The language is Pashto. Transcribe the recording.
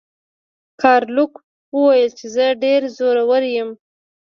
ګارلوک وویل چې زه ډیر زورور یم.